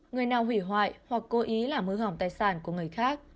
người nào hủy hoại hoặc cố ý làm hư hỏng tài sản của người khác